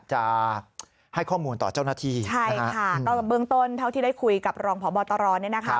จะให้ข้อมูลต่อเจ้าหน้าที่ใช่ค่ะก็เบื้องต้นเท่าที่ได้คุยกับรองพบตรเนี่ยนะคะ